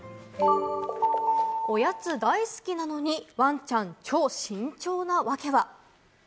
おやつ大好きなのに、ワンちゃん、超慎重なワケは。